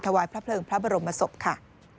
ถวายพระเพลิงพระบรมศพค่ะ